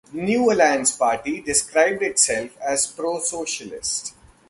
The New Alliance Party described itself as pro-socialist.